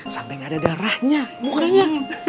sampai gak ada darahnya murinya